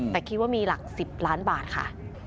แต่คิดว่ามีหลัก๑๐ล้านบาทค่ะ